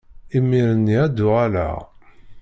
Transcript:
Imir-nni ad d-uɣaleɣ.